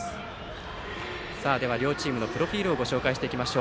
両チームのプロフィールをご紹介していきます。